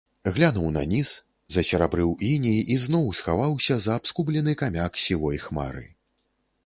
Глянуў на ніз, засерабрыў іней і зноў схаваўся за абскубены камяк сівой хмары.